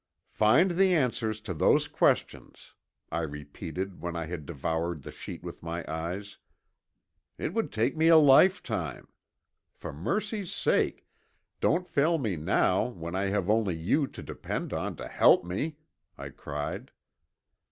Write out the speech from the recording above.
"Find the answers to those questions!" I repeated when I had devoured the sheet with my eyes. "It would take me a lifetime! For mercy's sake, don't fail me now when I have only you to depend on to help me!" I cried.